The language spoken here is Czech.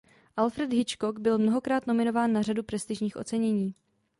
Alfred Hitchcock byl mnohokrát nominován na řadu prestižních ocenění.